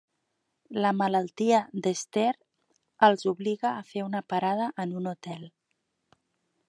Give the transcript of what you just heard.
La malaltia d'Ester els obliga a fer una parada en un hotel.